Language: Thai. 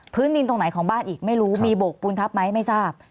ดินตรงไหนของบ้านอีกไม่รู้มีโบกปูนทับไหมไม่ทราบ